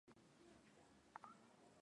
ee na ijapokuwa uwanja wetu